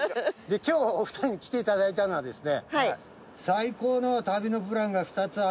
今日お二人に来ていただいたのはですね。